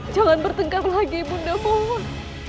jangan bertengkar lagi bunda mohon